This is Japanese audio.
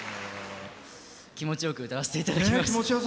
気持ちよく歌わせていただきました。